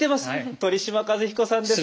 鳥嶋和彦さんです。